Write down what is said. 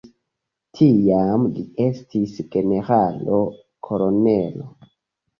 Tiam li estis generalo-kolonelo.